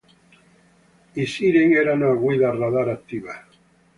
I Siren erano a guida radar attiva.